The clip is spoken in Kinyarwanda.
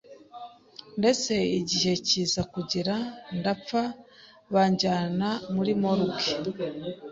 ndetse igihe kiza kugera ndapfa banjyana muri morgue